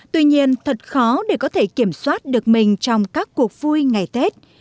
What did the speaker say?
tuy nhiên thật khó để có thể kiểm soát được mình trong các cuộc vui ngày tết